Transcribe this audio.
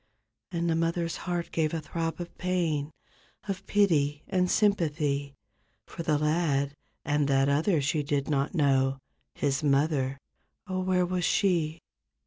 And the mother's heart gave a throb of pain. Of pity and sympathy For the lad, and that other she did not know. His mother—oh, where was she?